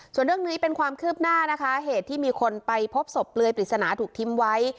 ส่วนเรื่องนี้เป็นความคืบหน้านะคะเหตุที่มีคนไปพบศพเปลือยปริศนาถูกทิ้งไว้